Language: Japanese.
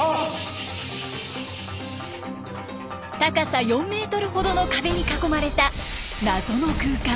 高さ４メートルほどの壁に囲まれた謎の空間。